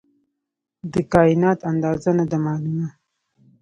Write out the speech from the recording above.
د کائنات اندازه نه ده معلومه.